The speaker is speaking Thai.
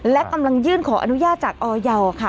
และกำลังยื่นขออนุญาตจากออยค่ะ